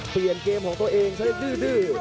เปลี่ยนเกมของตัวเองใช้ดื้อ